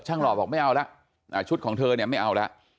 ช่างหล่อบอกไม่เอาล่ะอ่าชุดของเธอเนี้ยไม่เอาล่ะ